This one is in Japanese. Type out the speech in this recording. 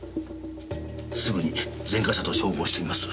すぐに前科者と照合してみます。